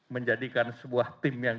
menjadikan sebuah tim yang